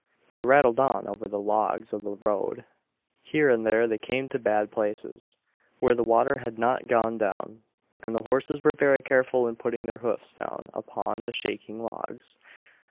They rattled on over the logs of the road; here and there they came to bad places, where the water had not gone down; and the horses were very careful in putting their hoofs down upon the shaking logs.